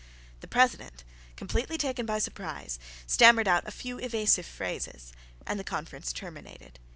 The President, completely taken by surprise, stammered out a few evasive phrases; and the conference terminated.